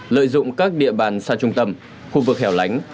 lợi dụng các địa bàn xa trung tâm khu vực hẻo lánh